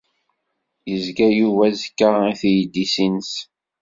Yeɣza Yuba aẓekka i teydit-nnes.